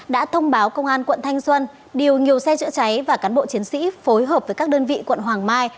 đã thông báo công an quận thanh xuân điều nhiều xe chữa cháy và cán bộ chiến sĩ phối hợp với các đơn vị quận hoàng mai